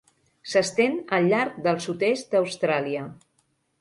S'estén al llarg del sud-est d'Austràlia.